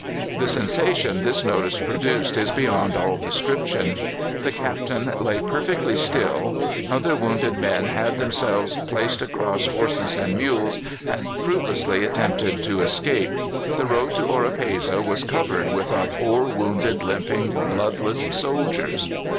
The sensation this notice produced is beyond all description. The Captain lay perfectly still; other wounded men had themselves placed across horses and mules, and fruitlessly attempted to escape. The road to Oropesa was covered with our poor wounded, limping, bloodless soldiers.